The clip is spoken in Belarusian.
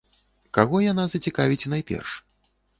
Каго яна зацікавіць найперш?